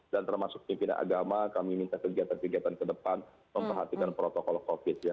dan termasuk pimpinan agama kami minta kegiatan kegiatan ke depan memperhatikan protokol covid ya